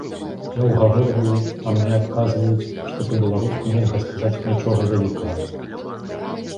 Я ўгаворваю, а мне адказваюць, што па-беларуску нельга сказаць нічога вялікага!